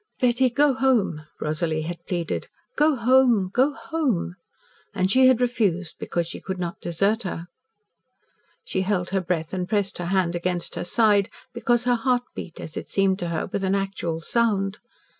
"Betty, go home," Rosalie had pleaded. "Go home go home." And she had refused, because she could not desert her. She held her breath and pressed her hand against her side, because her heart beat, as it seemed to her, with an actual sound.